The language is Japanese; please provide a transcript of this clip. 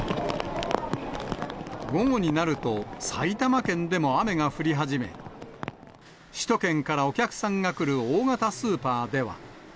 午後になると、埼玉県でも雨が降り始め、首都圏からお客さんが来る大型スーパーでは。